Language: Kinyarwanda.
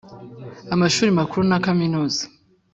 amashuri makuru na Kaminuza.